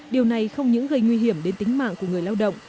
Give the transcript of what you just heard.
điều này không những gây nguy hiểm đến tính mạng của người lao động